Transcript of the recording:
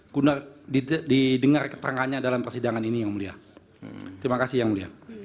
guna didengar keterangannya dalam persidangan ini yang mulia terima kasih yang mulia